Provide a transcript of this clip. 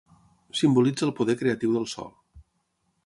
Simbolitza el poder creatiu del sol.